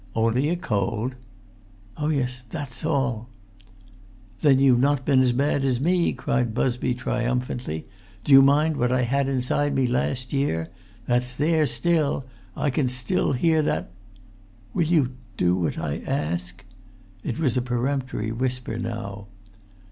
"Only a cold?" "Oh, yes—that's all." "Then you've not been as bad as me!" cried Busby, triumphantly. "Do you mind what I had inside me last year? That's there still! I can hear that——" "Will you do what I ask?" It was a peremptory whisper now.